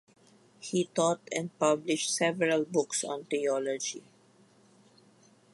He taught and published several books on theology.